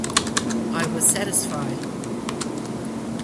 I was satisfied.